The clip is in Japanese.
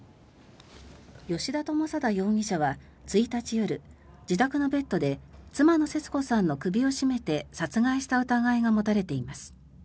吉田友貞容疑者は１日夜自宅のベッドで妻の節子さんの首を絞めて殺害した疑いが持たれています。